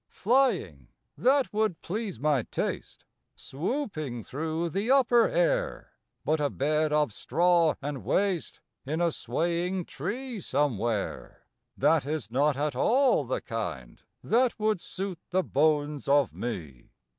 Flying that would please my taste, swoop ing through the upper air, But a bed of straw and waste in a swaying tree somewhere, That is not at all the kind that would suit the bones of me.